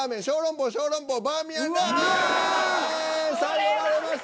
最後割れました。